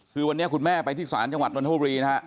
คือวันนี้คุณแม่ไปที่ศาลจังหวัดนทบุรีนะฮะ